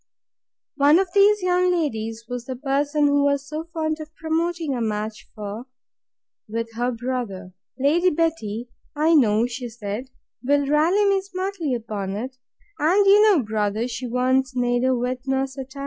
One of these young ladies was the person she was so fond of promoting a match for, with her brother.—Lady Betty, I know, she said, will rally me smartly upon it; and you know, brother, she wants neither wit nor satire.